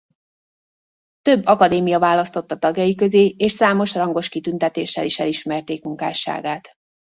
Több akadémia választotta tagjai közé és számos rangos kitüntéssel is elismerték munkásságát.